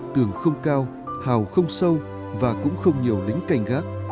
tường không cao hào không sâu và cũng không nhiều lính canh gác